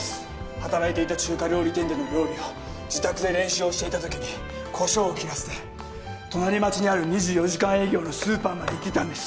働いていた中華料理店での料理を自宅で練習をしていた時にコショウを切らせて隣町にある２４時間営業のスーパーまで行ってたんです。